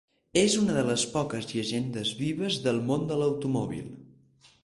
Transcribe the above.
És una de les poques llegendes vives del món de l'automòbil.